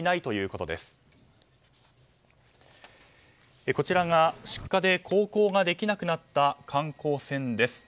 こちらが出火で航行ができなくなった観光船です。